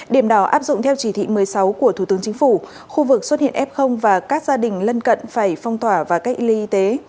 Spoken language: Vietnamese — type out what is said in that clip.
điểm đó áp dụng theo chỉ thị một mươi sáu của thủ tướng chính phủ khu vực xuất hiện f và các gia đình lân cận phải phong tỏa và cách ly y tế